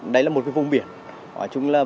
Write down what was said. đây là một vùng biển